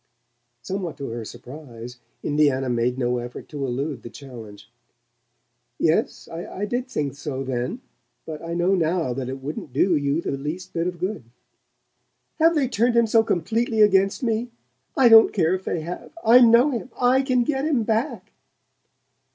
Somewhat to her surprise, Indiana made no effort to elude the challenge. "Yes, I did think so then. But I know now that it wouldn't do you the least bit of good." "Have they turned him so completely against me? I don't care if they have! I know him I can get him back."